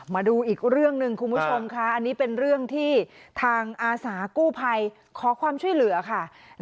มาดูอีกเรื่องหนึ่งคุณผู้ชมค่ะอันนี้เป็นเรื่องที่ทางอาสากู้ภัยขอความช่วยเหลือค่ะ